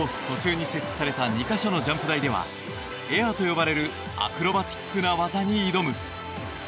途中に設置された２か所のジャンプ台ではエアと呼ばれるアクロバティックな技に挑む。